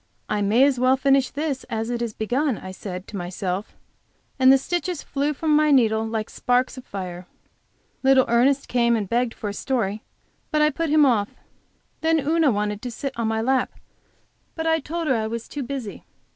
"I may as well finish this as it is begun," I said to myself, and the stitches flew from my needle like sparks of fire. Little Ernest came and begged for a story, but I put him off. Then Una wanted to sit in my lap, but I told her I was too busy.